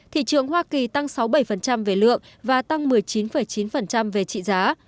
thị trường hoa kỳ tăng sáu bảy về lượng và tăng một mươi chín chín về trị giá